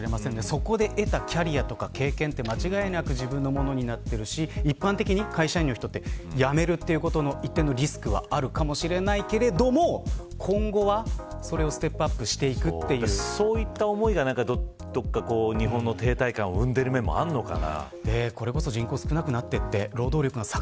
そこで得たキャリアや経験は間違いなく自分のものになっているし辞めることの一定のリスクはあるかもしれないけど今後はそれをステップアップしていくというそういった思いがどこか日本の停滞感を生んでいる面もあるのかな。